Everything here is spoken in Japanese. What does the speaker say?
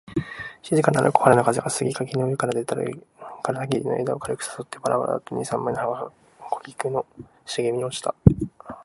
静かなる小春の風が、杉垣の上から出たる梧桐の枝を軽く誘ってばらばらと二三枚の葉が枯菊の茂みに落ちた